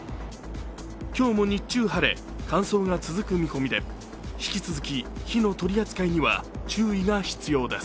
今日も日中晴れ、乾燥が続く見込みで引き続き、火の取り扱いには注意が必要です。